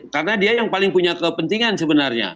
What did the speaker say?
karena dia yang paling punya kepentingan sebenarnya